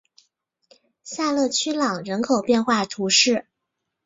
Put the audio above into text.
萨勒屈朗人口变化图示